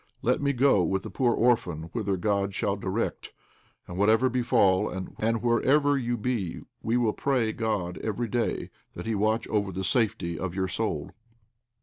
Let me go with the poor orphan whither God shall direct, and whatever befall and wherever you be we will pray God every day that He watch over the safety of your soul."